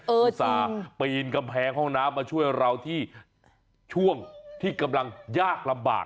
อุตส่าห์ปีนกำแพงห้องน้ำมาช่วยเราที่ช่วงที่กำลังยากลำบาก